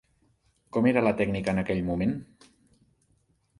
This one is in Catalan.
Com era la tècnica en aquell moment?